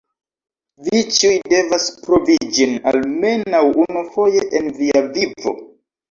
Vi ĉiuj devas provi ĝin, almenaŭ unufoje en via vivo.